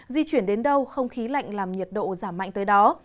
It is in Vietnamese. di chuyển đến đâu không khí lạnh làm nhiệt độ giảm mạnh tới đó